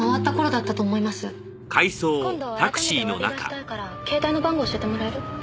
今度改めておわびがしたいから携帯の番号教えてもらえる？